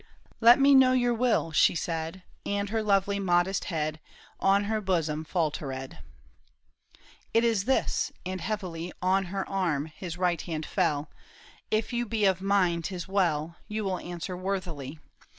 " Let me know your will," she said, And her lovely modest head On her bosom faltered. THE TOWER OF BO UV ERIE. 2 1 " It is this ;" and heavily On her arm his right hand fell ;" If you be of mine, 'tis well, You will answer worthily.